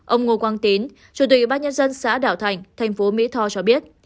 ông ngô quang tín chủ tịch bác nhân dân xã đạo thạnh thành phố mỹ tho cho biết